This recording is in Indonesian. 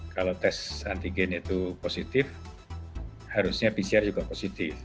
kalau tes antigen itu positif harusnya pcr juga positif